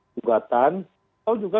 tugatan atau juga